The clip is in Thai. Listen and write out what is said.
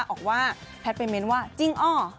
ออกว่าแพทน์ไปเม้นต์ว่าจริงอ้อ